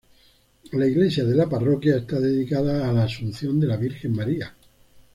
La iglesia de la parroquia está dedicada a la Asunción de la Virgen María.